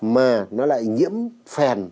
mà nó lại nhiễm phèn